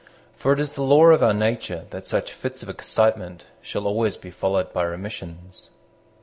For it is the law of our nature that such fits of excitement shall always be followed by remissions.